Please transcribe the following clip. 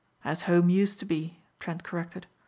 "As home used to be," Trent corrected.